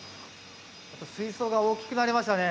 水槽が大きくなりましたね。